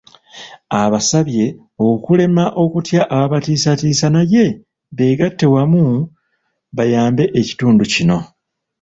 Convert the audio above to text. Abasabye okulema okutya ababatiisatiisa naye beegatte wamu bayambe ekitundu kino.